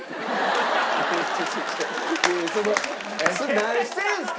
何してんすか！